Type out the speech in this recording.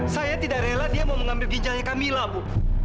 saya tidak rela dia mau mengambil pinjahnya camilla ibu